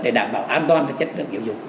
để đảm bảo an toàn chất lượng giáo dục